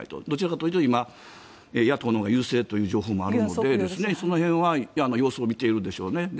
どちらかというと、今は野党のほうが優勢という情報もあるのでその辺は様子を見ているでしょうね。